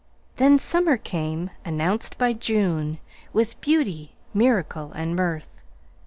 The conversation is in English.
Then summer came, announced by June, With beauty, miracle and mirth.